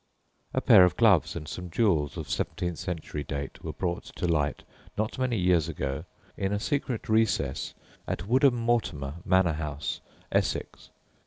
A pair of gloves and some jewels of seventeenth century date were brought to light not many years ago in a secret recess at Woodham Mortimer Manor House, Essex.